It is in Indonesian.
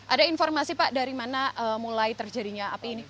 ada informasi pak dari mana mulai terjadinya api ini